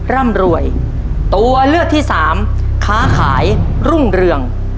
ร่ำรวยตัวเลือกที่สามค้าขายรุ่งเรือง